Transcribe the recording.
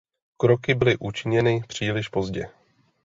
Kroky byly učiněny příliš pozdě.